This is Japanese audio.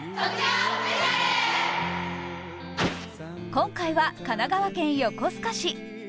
今回は神奈川県横須賀市。